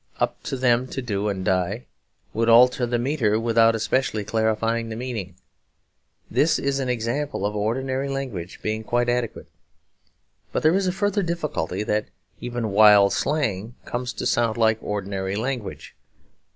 'Up to them to do and die' would alter the metre without especially clarifying the meaning. This is an example of ordinary language being quite adequate; but there is a further difficulty that even wild slang comes to sound like ordinary language.